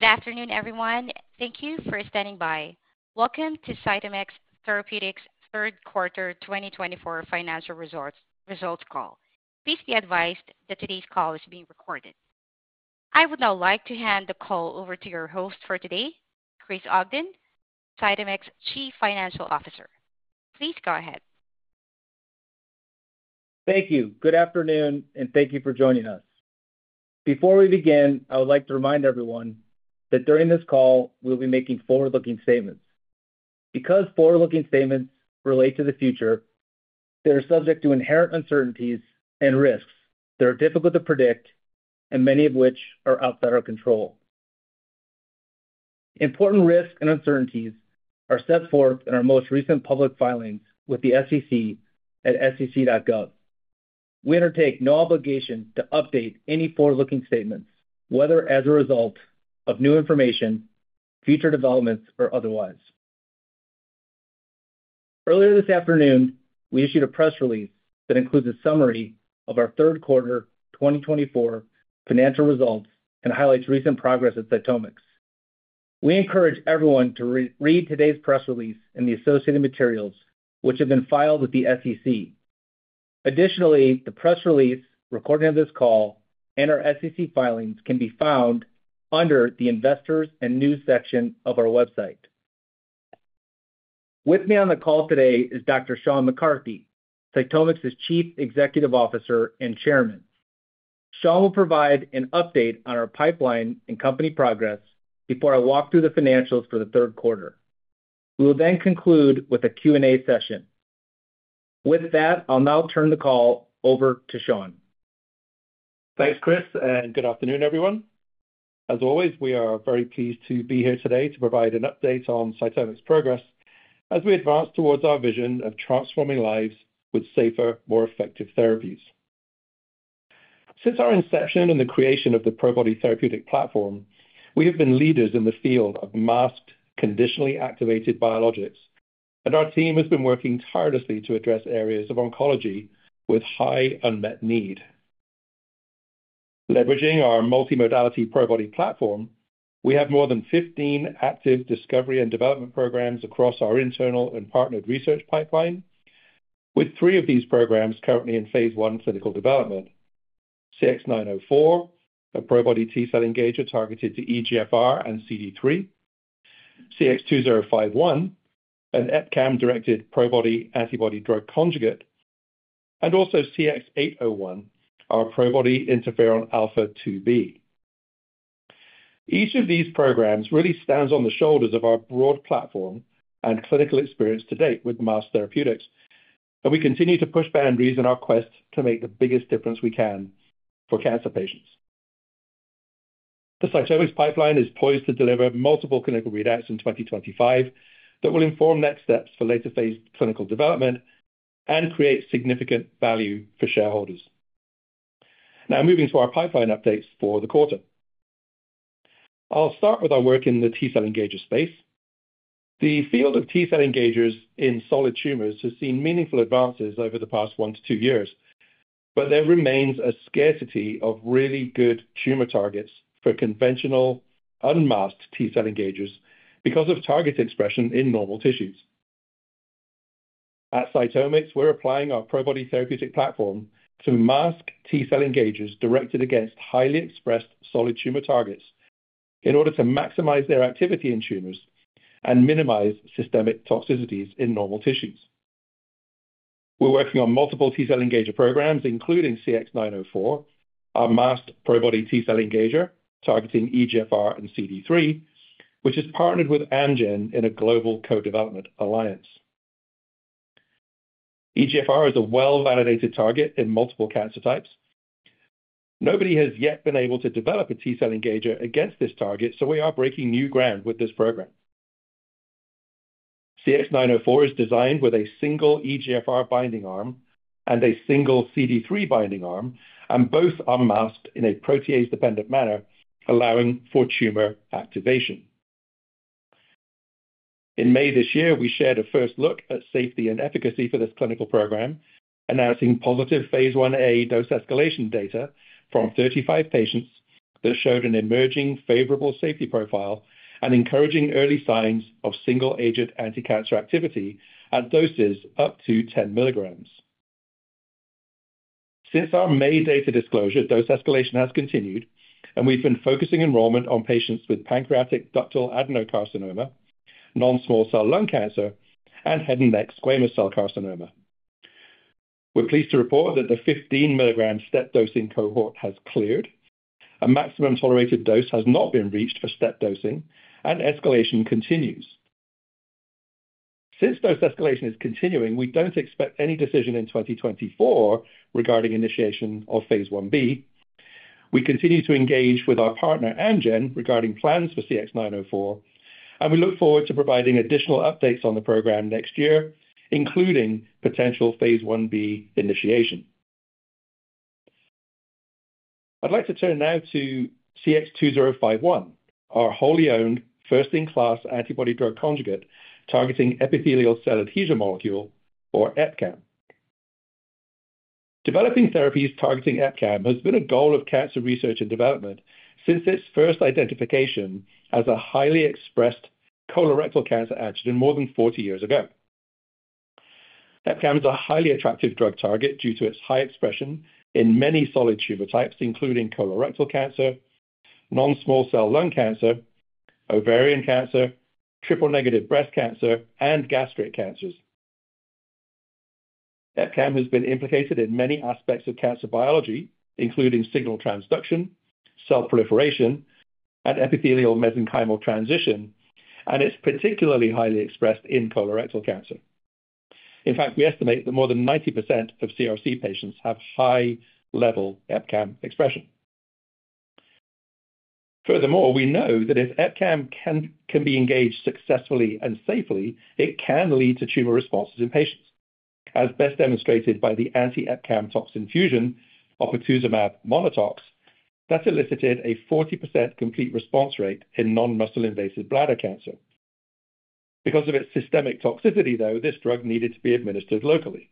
Good afternoon, everyone. Thank you for standing by. Welcome to CytomX Therapeutics' third quarter 2024 financial results call. Please be advised that today's call is being recorded. I would now like to hand the call over to your host for today, Chris Ogden, CytomX Chief Financial Officer. Please go ahead. Thank you. Good afternoon, and thank you for joining us. Before we begin, I would like to remind everyone that during this call, we'll be making forward-looking statements. Because forward-looking statements relate to the future, they are subject to inherent uncertainties and risks that are difficult to predict, and many of which are outside our control. Important risks and uncertainties are set forth in our most recent public filings with the SEC at sec.gov. We undertake no obligation to update any forward-looking statements, whether as a result of new information, future developments, or otherwise. Earlier this afternoon, we issued a press release that includes a summary of our third quarter 2024 financial results and highlights recent progress at CytomX. We encourage everyone to read today's press release and the associated materials, which have been filed with the SEC. Additionally, the press release, recording of this call, and our SEC filings can be found under the Investors and News section of our website. With me on the call today is Dr. Sean McCarthy, CytomX's Chief Executive Officer and Chairman. Sean will provide an update on our pipeline and company progress before I walk through the financials for the third quarter. We will then conclude with a Q&A session. With that, I'll now turn the call over to Sean. Thanks, Chris, and good afternoon, everyone. As always, we are very pleased to be here today to provide an update on CytomX's progress as we advance towards our vision of transforming lives with safer, more effective therapies. Since our inception and the creation of the PROBODY Therapeutic platform, we have been leaders in the field of masked conditionally activated biologics, and our team has been working tirelessly to address areas of oncology with high unmet need. Leveraging our multi-modality PROBODY platform, we have more than 15 active discovery and development programs across our internal and partnered research pipeline, with three of these programs currently in phase I clinical development: CX-904, a PROBODY T-cell engager targeted to EGFR and CD3, CX-2051, an EpCAM-directed PROBODY antibody-drug conjugate, and also CX-801, our PROBODY interferon alpha-2b. Each of these programs really stands on the shoulders of our broad platform and clinical experience to date with masked therapeutics, and we continue to push boundaries in our quest to make the biggest difference we can for cancer patients. The CytomX pipeline is poised to deliver multiple clinical readouts in 2025 that will inform next steps for later phase clinical development and create significant value for shareholders. Now, moving to our pipeline updates for the quarter. I'll start with our work in the T-cell engager space. The field of T-cell engagers in solid tumors has seen meaningful advances over the past one to two years, but there remains a scarcity of really good tumor targets for conventional unmasked T-cell engagers because of target expression in normal tissues. At CytomX, we're applying our PROBODY Therapeutic platform to mask T-cell engagers directed against highly expressed solid tumor targets in order to maximize their activity in tumors and minimize systemic toxicities in normal tissues. We're working on multiple T-cell engager programs, including CX-904, our masked PROBODY T-cell engager targeting EGFR and CD3, which is partnered with Amgen in a global co-development alliance. EGFR is a well-validated target in multiple cancer types. Nobody has yet been able to develop a T-cell engager against this target, so we are breaking new ground with this program. CX-904 is designed with a single EGFR binding arm and a single CD3 binding arm, and both are masked in a protease-dependent manner, allowing for tumor activation. In May this year, we shared a first look at safety and efficacy for this clinical program, announcing positive phase I-A dose escalation data from 35 patients that showed an emerging favorable safety profile and encouraging early signs of single-agent anti-cancer activity at doses up to 10 mg. Since our May data disclosure, dose escalation has continued, and we've been focusing enrollment on patients with pancreatic ductal adenocarcinoma, non-small cell lung cancer, and head and neck squamous cell carcinoma. We're pleased to report that the 15 mg step dosing cohort has cleared. A maximum tolerated dose has not been reached for step dosing, and escalation continues. Since dose escalation is continuing, we don't expect any decision in 2024 regarding initiation of phase I-B. We continue to engage with our partner, Amgen, regarding plans for CX-904, and we look forward to providing additional updates on the program next year, including potential phase I-B initiation. I'd like to turn now to CX-2051, our wholly owned first-in-class antibody drug conjugate targeting epithelial cell adhesion molecule, or EpCAM. Developing therapies targeting EpCAM has been a goal of cancer research and development since its first identification as a highly expressed colorectal cancer antigen more than 40 years ago. EpCAM is a highly attractive drug target due to its high expression in many solid tumor types, including colorectal cancer, non-small cell lung cancer, ovarian cancer, triple-negative breast cancer, and gastric cancers. EpCAM has been implicated in many aspects of cancer biology, including signal transduction, cell proliferation, and epithelial mesenchymal transition, and it's particularly highly expressed in colorectal cancer. In fact, we estimate that more than 90% of CRC patients have high-level EpCAM expression. Furthermore, we know that if EpCAM can be engaged successfully and safely, it can lead to tumor responses in patients, as best demonstrated by the anti-EpCAM toxin fusion of oportuzumab monatox that elicited a 40% complete response rate in non-muscle-invasive bladder cancer. Because of its systemic toxicity, though, this drug needed to be administered locally.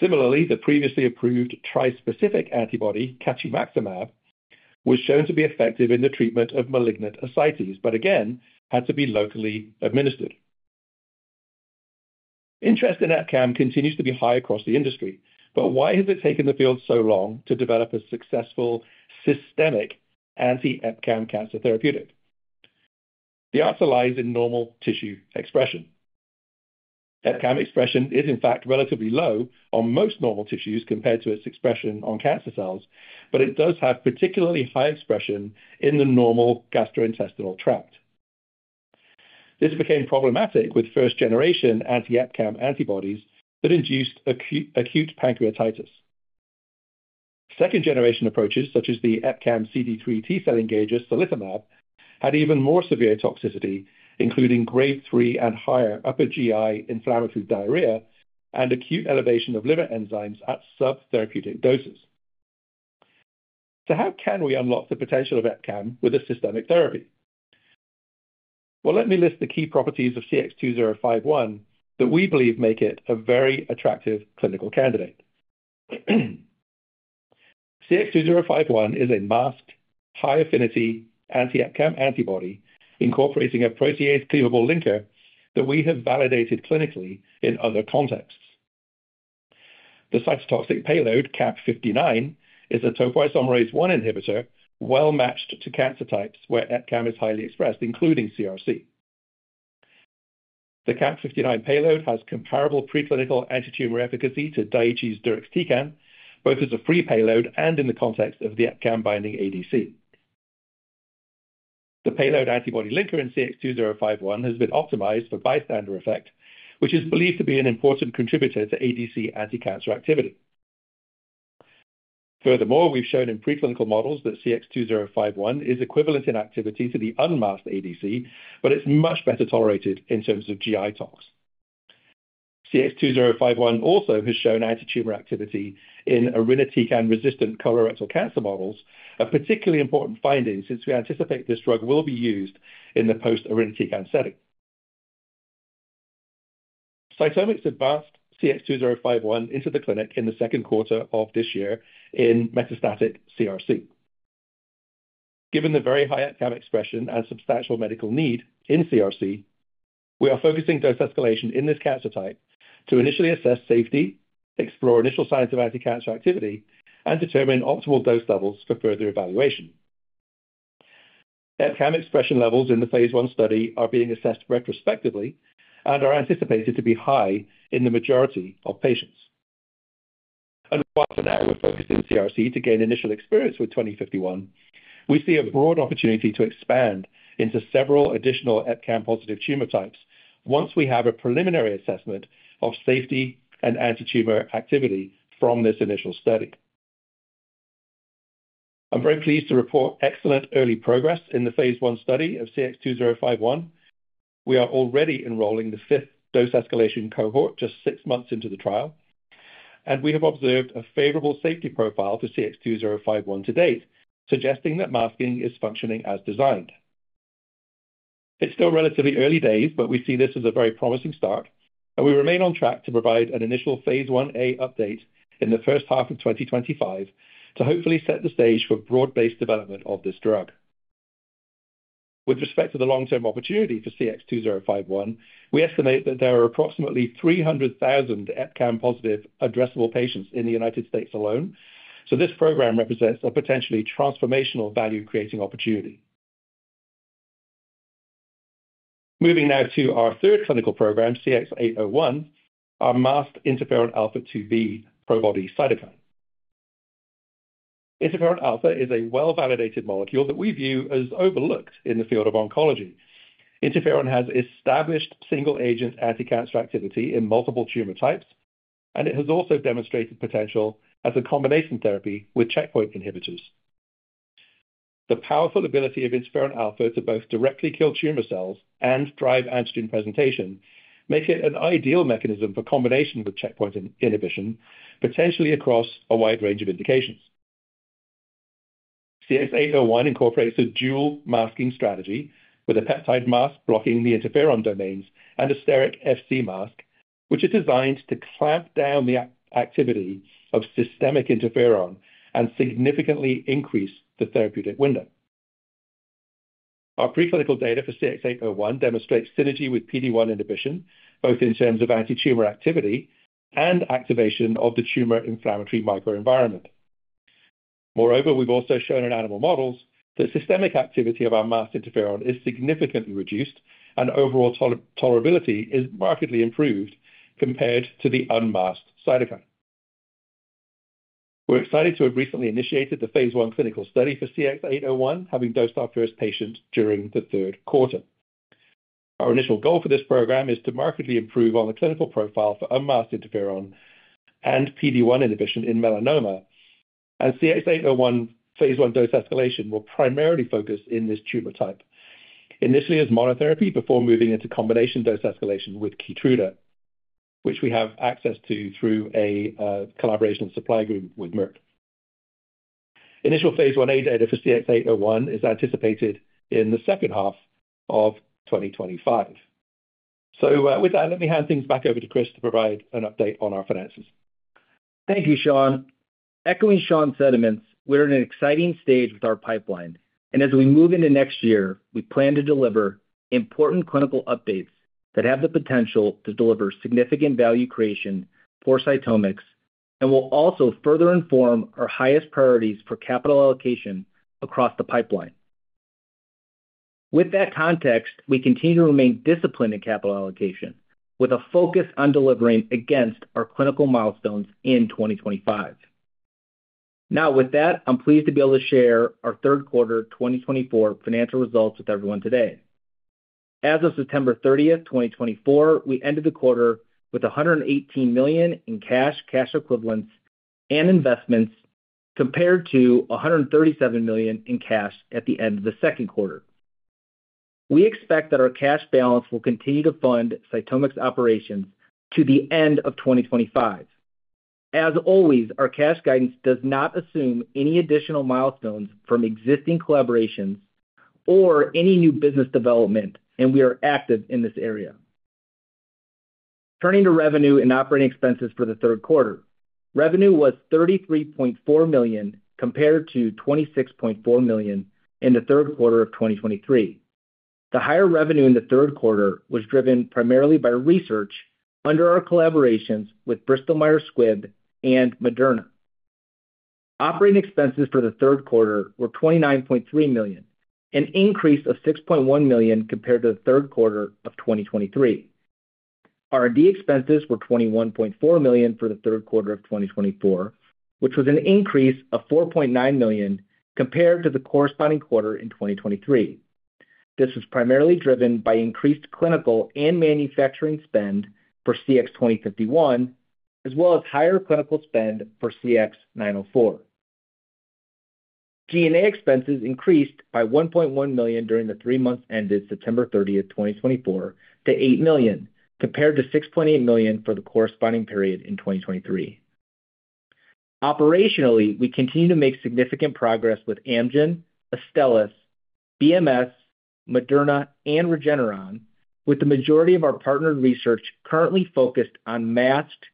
Similarly, the previously approved trispecific antibody, catumaxomab, was shown to be effective in the treatment of malignant ascites, but again, had to be locally administered. Interest in EpCAM continues to be high across the industry, but why has it taken the field so long to develop a successful systemic anti-EpCAM cancer therapeutic? The answer lies in normal tissue expression. EpCAM expression is, in fact, relatively low on most normal tissues compared to its expression on cancer cells, but it does have particularly high expression in the normal gastrointestinal tract. This became problematic with first-generation anti-EpCAM antibodies that induced acute pancreatitis. Second-generation approaches, such as the EpCAM CD3 T-cell engager solitomab, had even more severe toxicity, including grade 3 and higher upper GI inflammatory diarrhea and acute elevation of liver enzymes at subtherapeutic doses. So how can we unlock the potential of EpCAM with a systemic therapy? Well, let me list the key properties of CX-2051 that we believe make it a very attractive clinical candidate. CX-2051 is a masked, high-affinity anti-EpCAM antibody incorporating a protease cleavable linker that we have validated clinically in other contexts. The cytotoxic payload, CAP59, is a topoisomerase I inhibitor well matched to cancer types where EpCAM is highly expressed, including CRC. The CAP59 payload has comparable preclinical anti-tumor efficacy to Daiichi's deruxtecan, both as a free payload and in the context of the EpCAM binding ADC. The payload antibody linker in CX-2051 has been optimized for bystander effect, which is believed to be an important contributor to ADC anti-cancer activity. Furthermore, we've shown in preclinical models that CX-2051 is equivalent in activity to the unmasked ADC, but it's much better tolerated in terms of GI tox. CX-2051 also has shown anti-tumor activity in irinotecan resistant colorectal cancer models, a particularly important finding since we anticipate this drug will be used in the post-irinotecan setting. CytomX advanced CX-2051 into the clinic in the second quarter of this year in metastatic CRC. Given the very high EpCAM expression and substantial medical need in CRC, we are focusing dose escalation in this cancer type to initially assess safety, explore initial signs of anti-cancer activity, and determine optimal dose levels for further evaluation. EpCAM expression levels in the phase I study are being assessed retrospectively and are anticipated to be high in the majority of patients, and while for now we're focused in CRC to gain initial experience with CX-2051, we see a broad opportunity to expand into several additional EpCAM-positive tumor types once we have a preliminary assessment of safety and anti-tumor activity from this initial study. I'm very pleased to report excellent early progress in the phase I study of CX-2051. We are already enrolling the fifth dose escalation cohort just six months into the trial, and we have observed a favorable safety profile for CX-2051 to date, suggesting that masking is functioning as designed. It's still relatively early days, but we see this as a very promising start, and we remain on track to provide an initial phase I-A update in the first half of 2025 to hopefully set the stage for broad-based development of this drug. With respect to the long-term opportunity for CX-2051, we estimate that there are approximately 300,000 EpCAM-positive addressable patients in the United States alone, so this program represents a potentially transformational value-creating opportunity. Moving now to our third clinical program, CX-801, our masked interferon alpha-2b PROBODY cytokine. Interferon alpha is a well-validated molecule that we view as overlooked in the field of oncology. Interferon has established single-agent anti-cancer activity in multiple tumor types, and it has also demonstrated potential as a combination therapy with checkpoint inhibitors. The powerful ability of interferon alpha to both directly kill tumor cells and drive antigen presentation makes it an ideal mechanism for combination with checkpoint inhibition, potentially across a wide range of indications. CX-801 incorporates a dual masking strategy with a peptide mask blocking the interferon domains and a steric Fc mask, which are designed to clamp down the activity of systemic interferon and significantly increase the therapeutic window. Our preclinical data for CX-801 demonstrates synergy with PD-1 inhibition, both in terms of anti-tumor activity and activation of the tumor inflammatory microenvironment. Moreover, we've also shown in animal models that systemic activity of our masked interferon is significantly reduced, and overall tolerability is markedly improved compared to the unmasked cytokine. We're excited to have recently initiated the phase I clinical study for CX-801, having dosed our first patient during the third quarter. Our initial goal for this program is to markedly improve on the clinical profile for unmasked interferon and PD-1 inhibition in melanoma, and CX-801 phase I dose escalation will primarily focus in this tumor type, initially as monotherapy before moving into combination dose escalation with KEYTRUDA, which we have access to through a collaboration supply group with Merck. Initial phase I-A data for CX-801 is anticipated in the second half of 2025. So with that, let me hand things back over to Chris to provide an update on our finances. Thank you, Sean. Echoing Sean's sentiments, we're in an exciting stage with our pipeline, and as we move into next year, we plan to deliver important clinical updates that have the potential to deliver significant value creation for CytomX and will also further inform our highest priorities for capital allocation across the pipeline. With that context, we continue to remain disciplined in capital allocation with a focus on delivering against our clinical milestones in 2025. Now, with that, I'm pleased to be able to share our third quarter 2024 financial results with everyone today. As of September 30th, 2024, we ended the quarter with $118 million in cash, cash equivalents, and investments compared to $137 million in cash at the end of the second quarter. We expect that our cash balance will continue to fund CytomX operations to the end of 2025. As always, our cash guidance does not assume any additional milestones from existing collaborations or any new business development, and we are active in this area. Turning to revenue and operating expenses for the third quarter, revenue was $33.4 million compared to $26.4 million in the third quarter of 2023. The higher revenue in the third quarter was driven primarily by research under our collaborations with Bristol Myers Squibb and Moderna. Operating expenses for the third quarter were $29.3 million, an increase of $6.1 million compared to the third quarter of 2023. R&D expenses were $21.4 million for the third quarter of 2024, which was an increase of $4.9 million compared to the corresponding quarter in 2023. This was primarily driven by increased clinical and manufacturing spend for CX-2051, as well as higher clinical spend for CX-904. G&A expenses increased by $1.1 million during the three months ended September 30th, 2024, to $8 million compared to $6.8 million for the corresponding period in 2023. Operationally, we continue to make significant progress with Amgen, Astellas, BMS, Moderna, and Regeneron, with the majority of our partnered research currently focused on masked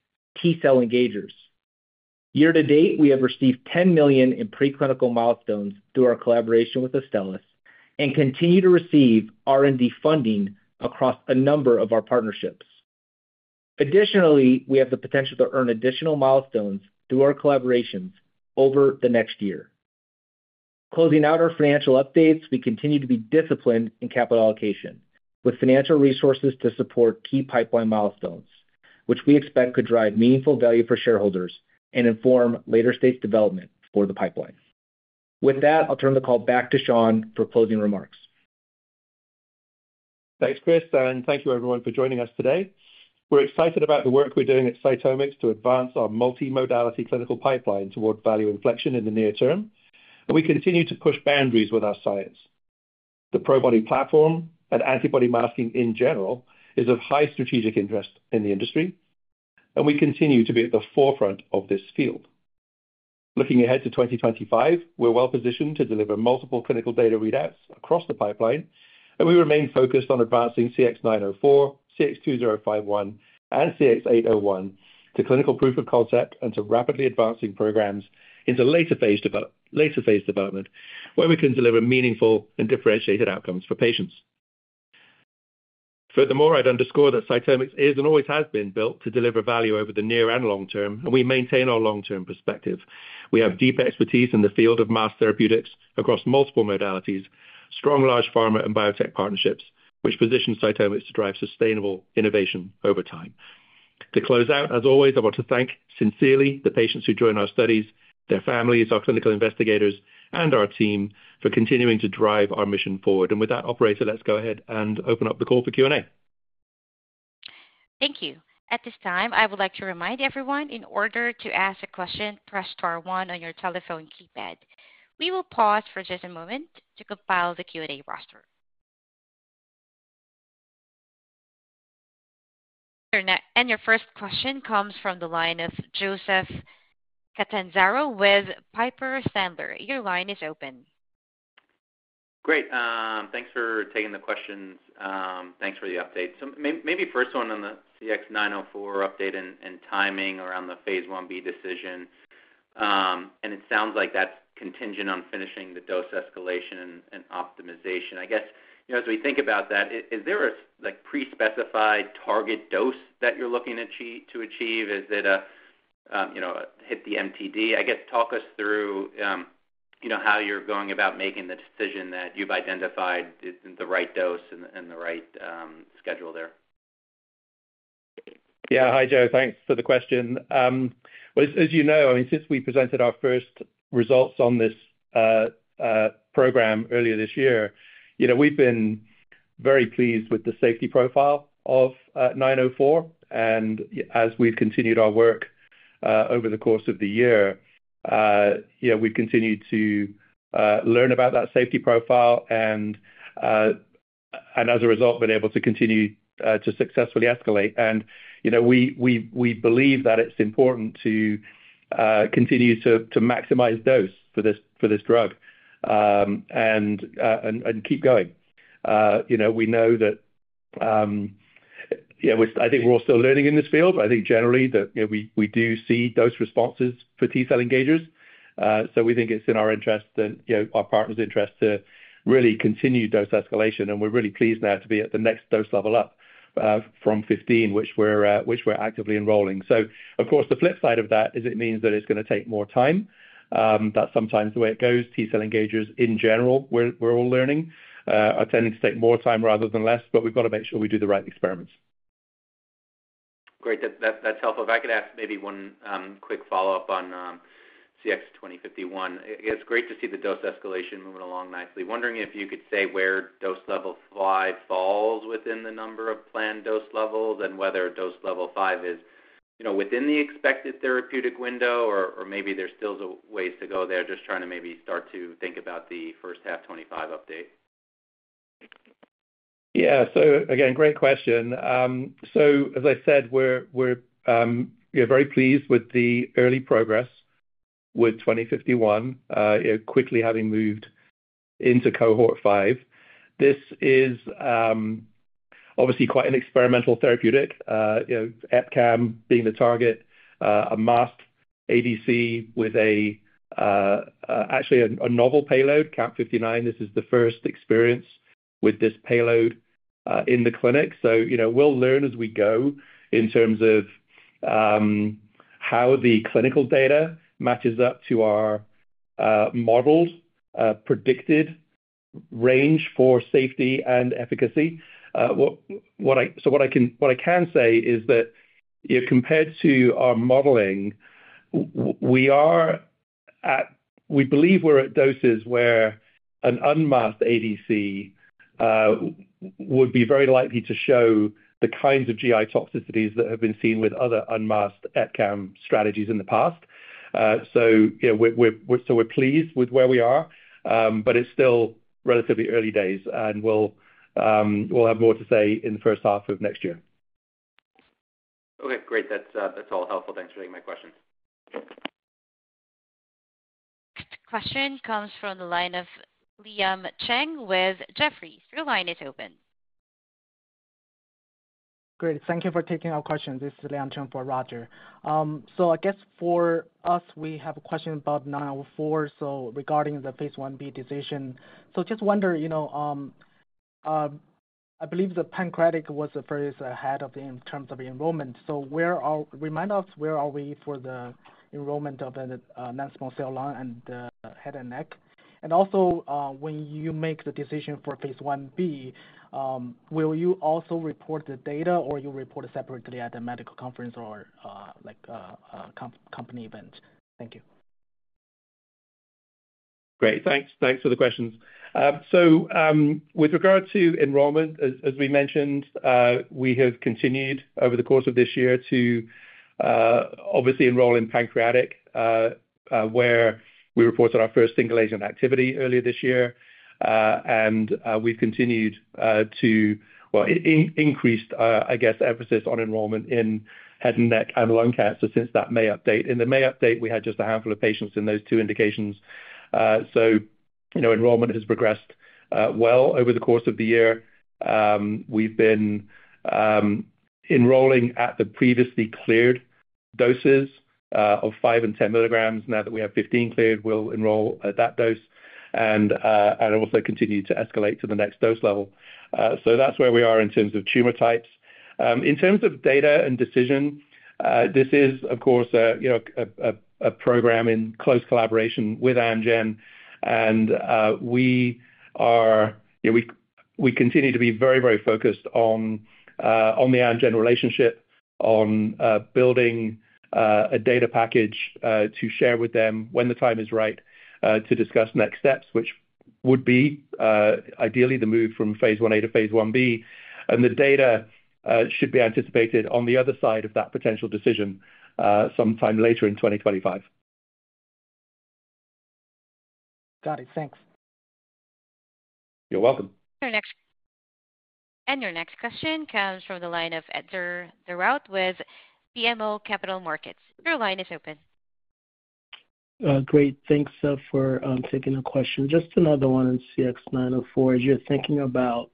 T-cell engagers. Year to date, we have received $10 million in preclinical milestones through our collaboration with Astellas and continue to receive R&D funding across a number of our partnerships. Additionally, we have the potential to earn additional milestones through our collaborations over the next year. Closing out our financial updates, we continue to be disciplined in capital allocation with financial resources to support key pipeline milestones, which we expect could drive meaningful value for shareholders and inform later stage development for the pipeline. With that, I'll turn the call back to Sean for closing remarks. Thanks, Chris, and thank you everyone for joining us today. We're excited about the work we're doing at CytomX to advance our multi-modality clinical pipeline toward value inflection in the near term, and we continue to push boundaries with our science. The PROBODY platform and antibody masking in general is of high strategic interest in the industry, and we continue to be at the forefront of this field. Looking ahead to 2025, we're well positioned to deliver multiple clinical data readouts across the pipeline, and we remain focused on advancing CX-904, CX-2051, and CX-801 to clinical proof of concept and to rapidly advancing programs into later phase development where we can deliver meaningful and differentiated outcomes for patients. Furthermore, I'd underscore that CytomX is and always has been built to deliver value over the near and long term, and we maintain our long-term perspective. We have deep expertise in the field of masked therapeutics across multiple modalities, strong large pharma and biotech partnerships, which position CytomX to drive sustainable innovation over time. To close out, as always, I want to thank sincerely the patients who join our studies, their families, our clinical investigators, and our team for continuing to drive our mission forward. And with that, operator, let's go ahead and open up the call for Q&A. Thank you. At this time, I would like to remind everyone, in order to ask a question, press star one on your telephone keypad. We will pause for just a moment to compile the Q&A roster. And your first question comes from the line of Joseph Catanzaro with Piper Sandler. Your line is open. Great. Thanks for taking the questions. Thanks for the update. So maybe first one on the CX-904 update and timing around the phase I-B decision. And it sounds like that's contingent on finishing the dose escalation and optimization. I guess, you know, as we think about that, is there a pre-specified target dose that you're looking to achieve? Is it to hit the MTD? I guess, talk us through how you're going about making the decision that you've identified the right dose and the right schedule there. Yeah. Hi, Joe. Thanks for the question. Well, as you know, I mean, since we presented our first results on this program earlier this year, you know, we've been very pleased with the safety profile of 904. And as we've continued our work over the course of the year, you know, we've continued to learn about that safety profile and, as a result, been able to continue to successfully escalate. You know, we believe that it's important to continue to maximize dose for this drug and keep going. You know, we know that, you know, I think we're also learning in this field, but I think generally that, you know, we do see those responses for T-cell engagers. So we think it's in our interest and, you know, our partner's interest to really continue dose escalation. And we're really pleased now to be at the next dose level up from 15, which we're actively enrolling. So, of course, the flip side of that is it means that it's going to take more time. That's sometimes the way it goes. T-cell engagers in general, we're all learning, are tending to take more time rather than less, but we've got to make sure we do the right experiments. Great. That's helpful. If I could ask maybe one quick follow-up on CX-2051. It's great to see the dose escalation moving along nicely. Wondering if you could say where dose level five falls within the number of planned dose levels and whether dose level five is, you know, within the expected therapeutic window or maybe there's still ways to go there, just trying to maybe start to think about the first half 2025 update. Yeah. So, again, great question. So, as I said, we're very pleased with the early progress with 2051, quickly having moved into cohort five. This is obviously quite an experimental therapeutic, you know, EpCAM being the target, a masked ADC with actually a novel payload, CAP59. This is the first experience with this payload in the clinic. So, you know, we'll learn as we go in terms of how the clinical data matches up to our modeled predicted range for safety and efficacy. So what I can say is that, you know, compared to our modeling, we are at, we believe we're at doses where an unmasked ADC would be very likely to show the kinds of GI toxicities that have been seen with other unmasked EpCAM strategies in the past. So, you know, we're pleased with where we are, but it's still relatively early days, and we'll have more to say in the first half of next year. Okay. Great. That's all helpful. Thanks for taking my questions. Next question comes from the line of Liang Cheng with Jefferies. Your line is open. Great. Thank you for taking our questions. This is Liang Cheng for Roger. So, I guess for us, we have a question about 904. So, regarding the phase I-B decision, so just wonder, you know, I believe the pancreatic was the furthest ahead in terms of enrollment. Remind us where are we for the enrollment of the non-small cell lung and the head and neck? And also, when you make the decision for phase I-B, will you also report the data or you report it separately at the medical conference or like a company event? Thank you. Great. Thanks. Thanks for the questions. With regard to enrollment, as we mentioned, we have continued over the course of this year to obviously enroll in pancreatic, where we reported our first single-agent activity earlier this year. And we've continued to, well, increased, I guess, emphasis on enrollment in head and neck and lung cancer since that May update. In the May update, we had just a handful of patients in those two indications. You know, enrollment has progressed well over the course of the year. We've been enrolling at the previously cleared doses of five and 10 mg. Now that we have 15 cleared, we'll enroll at that dose and also continue to escalate to the next dose level. So, that's where we are in terms of tumor types. In terms of data and decision, this is, of course, a program in close collaboration with Amgen, and we are, you know, we continue to be very, very focused on the Amgen relationship, on building a data package to share with them when the time is right to discuss next steps, which would be ideally the move from phase I-A to phase I-B. And the data should be anticipated on the other side of that potential decision sometime later in 2025. Got it. Thanks. You're welcome. And your next question comes from the line of Etzer Darout with BMO Capital Markets. Your line is open. Great. Thanks for taking the question. Just another one on CX-904. As you're thinking about,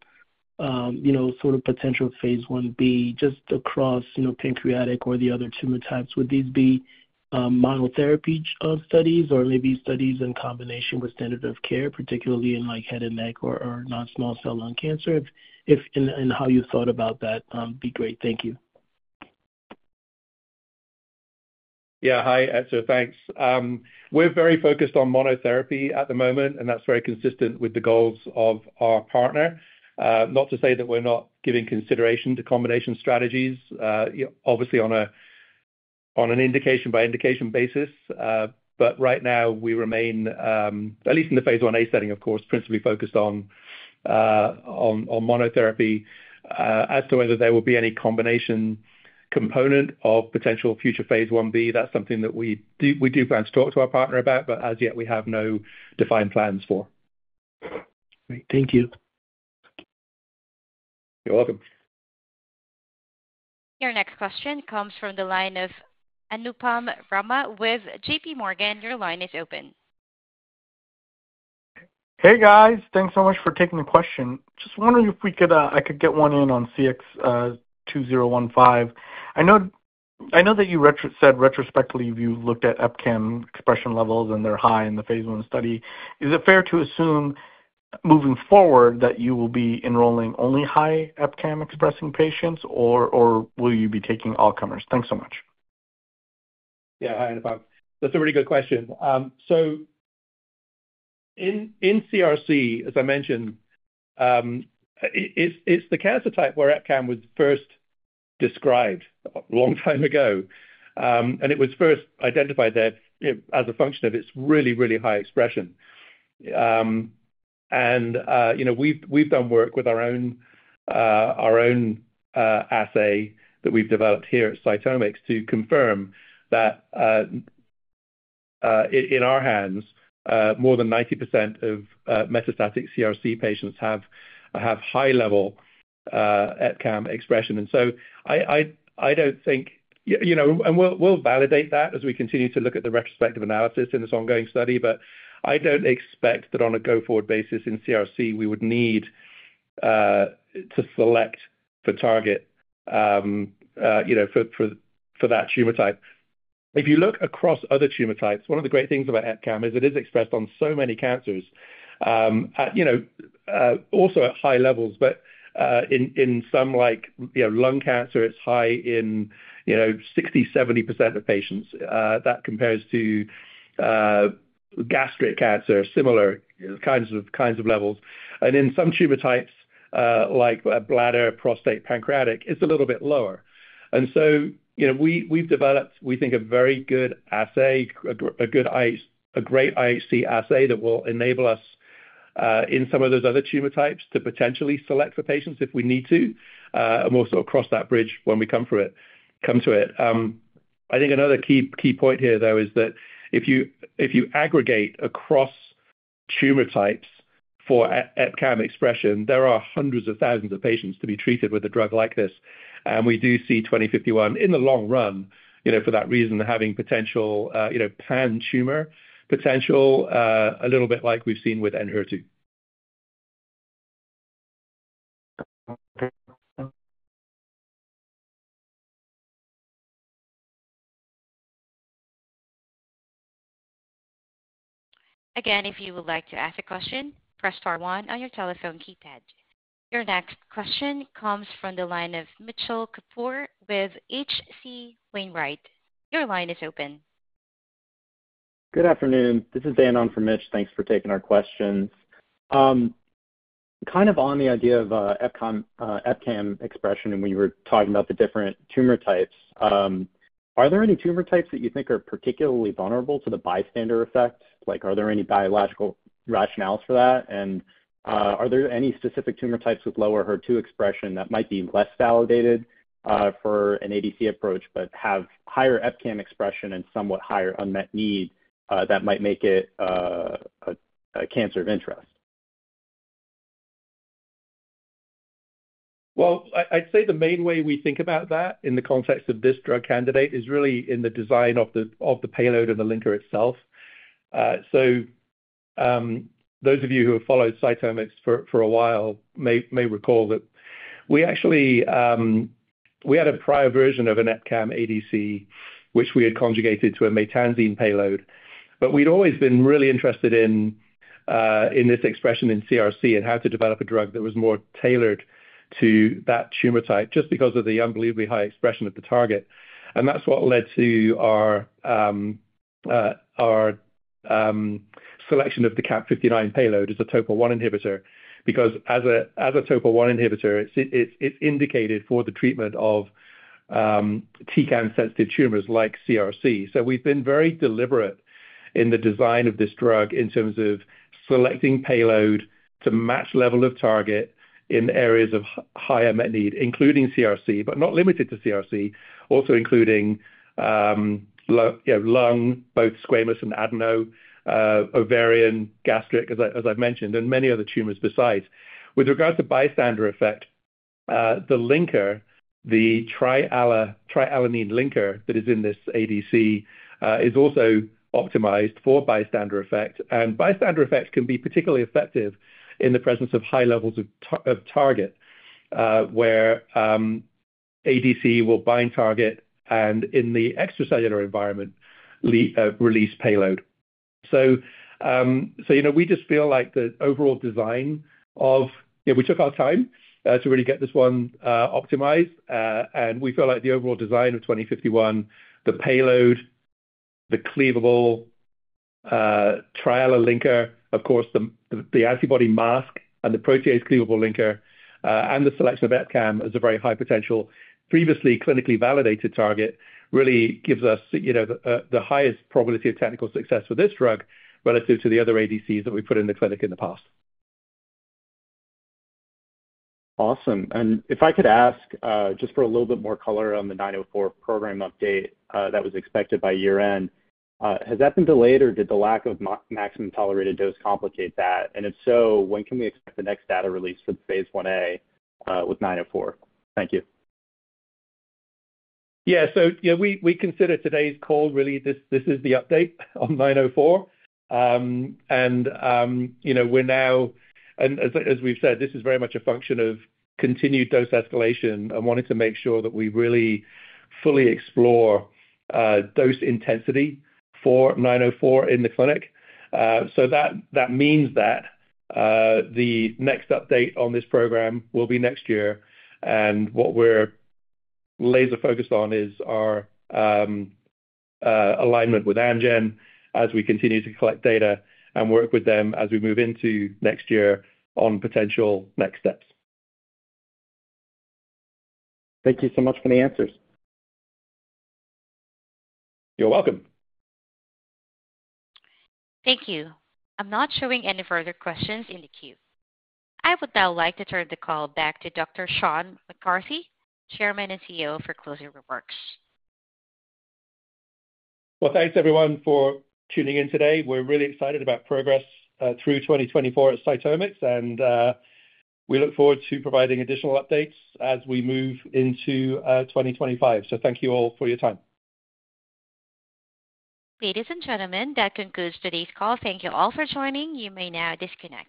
you know, sort of potential phase I-B just across, you know, pancreatic or the other tumor types, would these be monotherapy studies or maybe studies in combination with standard of care, particularly in like head and neck or non-small cell lung cancer? If and how you thought about that would be great. Thank you. Yeah. Hi, Etzer. Thanks. We're very focused on monotherapy at the moment, and that's very consistent with the goals of our partner. Not to say that we're not giving consideration to combination strategies, obviously on an indication-by-indication basis. But right now, we remain, at least in the phase I-A setting, of course, principally focused on monotherapy. As to whether there will be any combination component of potential future phase I-B, that's something that we do plan to talk to our partner about, but as yet, we have no defined plans for. Great. Thank you. You're welcome. Your next question comes from the line of Anupam Rama with JPMorgan. Your line is open. Hey, guys. Thanks so much for taking the question. Just wondering if we could, I could get one in on CX-2051. I know that you said retrospectively you've looked at EpCAM expression levels and they're high in the phase I study. Is it fair to assume moving forward that you will be enrolling only high EpCAM expressing patients, or will you be taking all comers? Thanks so much. Yeah. Hi, Anupam. That's a really good question. So, in CRC, as I mentioned, it's the cancer type where EpCAM was first described a long time ago. And it was first identified there as a function of its really, really high expression. And, you know, we've done work with our own assay that we've developed here at CytomX to confirm that in our hands, more than 90% of metastatic CRC patients have high-level EpCAM expression. And so, I don't think, you know, and we'll validate that as we continue to look at the retrospective analysis in this ongoing study, but I don't expect that on a go-forward basis in CRC, we would need to select the target, you know, for that tumor type. If you look across other tumor types, one of the great things about EpCAM is it is expressed on so many cancers, you know, also at high levels. But in some, like, you know, lung cancer, it's high in, you know, 60%-70% of patients. That compares to gastric cancer, similar kinds of levels. And in some tumor types, like bladder, prostate, pancreatic, it's a little bit lower. And so, you know, we've developed, we think, a very good assay, a great IHC assay that will enable us in some of those other tumor types to potentially select for patients if we need to, and we'll sort of cross that bridge when we come to it. I think another key point here, though, is that if you aggregate across tumor types for EpCAM expression, there are hundreds of thousands of patients to be treated with a drug like this. And we do see 2051 in the long run, you know, for that reason, having potential, you know, pan-tumor potential, a little bit like we've seen with ENHERTU. Again, if you would like to ask a question, press star one on your telephone keypad. Your next question comes from the line of Mitchell Kapoor with H.C. Wainwright. Your line is open. Good afternoon. This is Danon from Mitch. Thanks for taking our questions. Kind of on the idea of EpCAM expression and when you were talking about the different tumor types, are there any tumor types that you think are particularly vulnerable to the bystander effect? Like, are there any biological rationales for that? And are there any specific tumor types with lower HER2 expression that might be less validated for an ADC approach, but have higher EpCAM expression and somewhat higher unmet need that might make it a cancer of interest? I'd say the main way we think about that in the context of this drug candidate is really in the design of the payload and the linker itself, so those of you who have followed CytomX for a while may recall that we actually, we had a prior version of an EpCAM ADC, which we had conjugated to a maytansine payload, but we'd always been really interested in this expression in CRC and how to develop a drug that was more tailored to that tumor type just because of the unbelievably high expression of the target, and that's what led to our selection of the CAP59 payload as a topo I inhibitor, because as a topo I inhibitor, it's indicated for the treatment of topo I-sensitive tumors like CRC. So, we've been very deliberate in the design of this drug in terms of selecting payload to match level of target in areas of high unmet need, including CRC, but not limited to CRC, also including lung, both squamous and adeno, ovarian, gastric, as I've mentioned, and many other tumors besides. With regard to bystander effect, the linker, the trialanine linker that is in this ADC is also optimized for bystander effect. And bystander effect can be particularly effective in the presence of high levels of target, where ADC will bind target and in the extracellular environment release payload. So, you know, we just feel like the overall design of, you know, we took our time to really get this one optimized. And we feel like the overall design of CX-2051, the payload, the cleavable triazole linker, of course, the antibody mask and the protease cleavable linker, and the selection of EpCAM as a very high potential, previously clinically validated target really gives us, you know, the highest probability of technical success for this drug relative to the other ADCs that we put in the clinic in the past. Awesome. And if I could ask just for a little bit more color on the CX-904 program update that was expected by year-end, has that been delayed or did the lack of maximum tolerated dose complicate that? And if so, when can we expect the next data release for the phase I-A with CX-904? Thank you. Yeah. So, you know, we consider today's call. Really, this is the update on CX-904. You know, we're now, and as we've said, this is very much a function of continued dose escalation. I wanted to make sure that we really fully explore dose intensity for 904 in the clinic. So, that means that the next update on this program will be next year. And what we're laser-focused on is our alignment with Amgen as we continue to collect data and work with them as we move into next year on potential next steps. Thank you so much for the answers. You're welcome. Thank you. I'm not showing any further questions in the queue. I would now like to turn the call back to Dr. Sean McCarthy, Chairman and CEO for closing remarks. Thanks everyone for tuning in today. We're really excited about progress through 2024 at CytomX, and we look forward to providing additional updates as we move into 2025. Thank you all for your time. Ladies and gentlemen, that concludes today's call. Thank you all for joining. You may now disconnect.